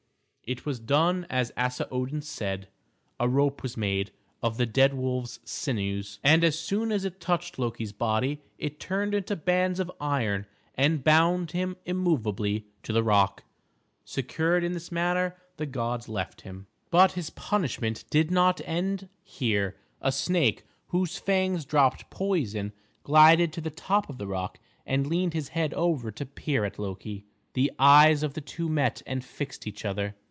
It was done as Asa Odin said. A rope was made of the dead wolves' sinews, and as soon as it touched Loki's body it turned into bands of iron and bound him immovably to the rock. Secured in this manner the gods left him. [Illustration: THE PUNISHMENT OF LOKI.] But his punishment did not end here. A snake, whose fangs dropped poison, glided to the top of the rock and leaned his head over to peer at Loki. The eyes of the two met and fixed each other.